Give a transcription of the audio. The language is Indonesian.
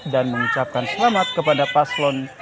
dan mengucapkan selamat kepada paslon